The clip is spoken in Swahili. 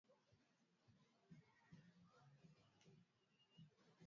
vitamini A kwenye viazi lishe inahitaji mafuta kiasi ili ifyonzwe vizuri wakati wa kupika